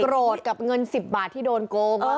โกรธกับเงิน๑๐บาทที่โดนโกง